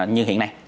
như hiện nay